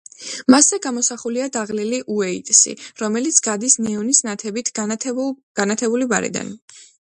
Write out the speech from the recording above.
მასზე გამოსახულია დაღლილი უეიტსი, რომელიც გადის ნეონის ნათებით განათებული ბარიდან.